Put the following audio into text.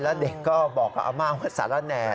แล้วเด็กก็บอกอาม่าภาษาแล้วแน่